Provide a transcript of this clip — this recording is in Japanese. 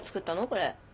これ。